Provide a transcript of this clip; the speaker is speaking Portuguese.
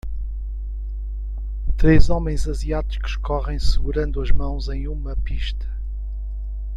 Três homens asiáticos correm segurando as mãos em uma pista.